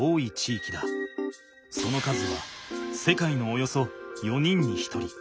その数は世界のおよそ４人に１人。